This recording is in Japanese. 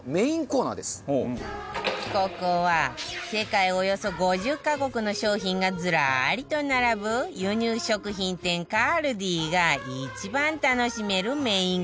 ここは世界およそ５０カ国の商品がずらりと並ぶ輸入食品店 ＫＡＬＤＩ が一番楽しめるメインコーナー